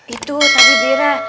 itu tadi bira